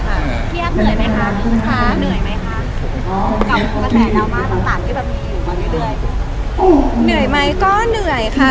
เหนื่อยไหมก็เหนื่อยค่ะ